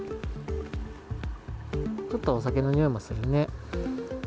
ちょっとお酒のにおいもするね。